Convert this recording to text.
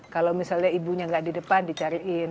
kalau misalnya ibunya nggak di depan dicariin